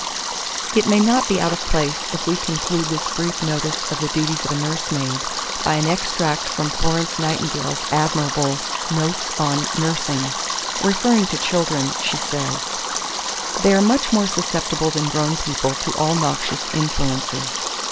2413. It may not be out of place if we conclude this brief notice of the duties of a nursemaid, by an extract from Florence Nightingale's admirable "Notes on Nursing." Referring to children, she says: 2414. "They are much more susceptible than grown people to all noxious influences.